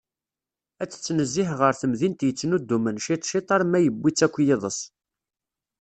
Ad tettnezzih ɣer temdint yettnuddumen ciṭ ciṭ arma yiwi-tt akk yiḍes.